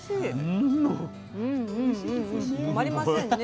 止まりませんね。